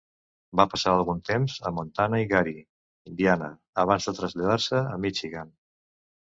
Va passar algun temps en Montana i Gary, Indiana, abans de traslladar-se a Michigan.